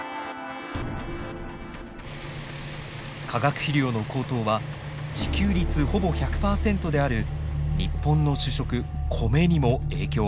化学肥料の高騰は自給率ほぼ１００％である日本の主食コメにも影響を与えます。